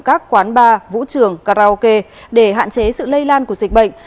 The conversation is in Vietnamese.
các quán bar vũ trường karaoke để hạn chế sự lây lan của dịch bệnh